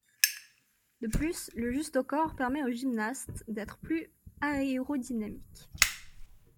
De plus, le justaucorps permet au gymnaste d'être plus aérodynamique.